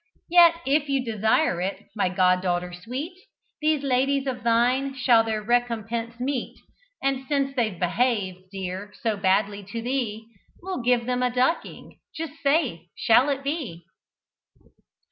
Yet if you desire it, my god daughter sweet, These ladies of thine shall their recompense meet And since they've behaved, dear, so badly to thee, We'll give them a ducking just say shall it be!"